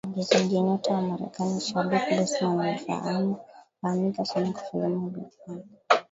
Mwigizaji nyota wa Marekani Chadwick Boseman aliyefahamika sana kwa filamu ya Black Panther